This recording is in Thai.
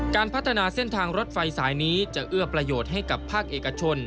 การพัฒนาเส้นทางรถไฟสายนี้จะเอื้อประโยชน์ให้กับภาคเอกชน